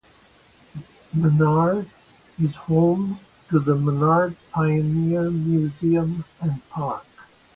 Maynard is home to the Maynard Pioneer Museum and Park.